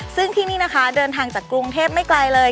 ซึ่งที่นี่นะคะเดินทางจากกรุงเทพไม่ไกลเลย